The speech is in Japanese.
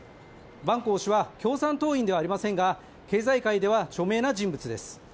万鋼氏は共産党員ではありませんが経済界では著名な人物です。